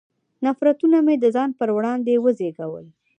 نفرتونه مې د ځان پر وړاندې وزېږول.